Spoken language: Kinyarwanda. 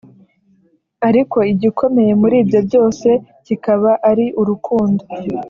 Ariko igikomeye muri byose kikaba ari urukundo